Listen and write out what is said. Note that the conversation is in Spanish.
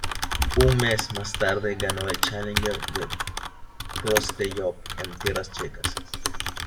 Un mes más tarde ganó el Challenger de Prostějov en tierras checas.